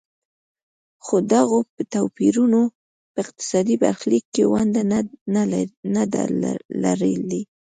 خو دغو توپیرونو په اقتصادي برخلیک کې ونډه نه ده لرلې.